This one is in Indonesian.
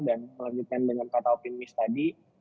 dan melanjutkan dengan kata optimis tadi